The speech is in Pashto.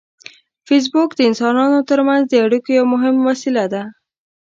فېسبوک د انسانانو ترمنځ د اړیکو یو مهم وسیله ده